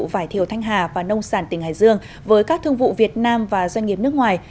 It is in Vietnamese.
vải thiều thanh hà và nông sản tỉnh hải dương với các thương vụ việt nam và doanh nghiệp nước ngoài